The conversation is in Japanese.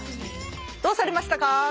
「どうされましたか？」。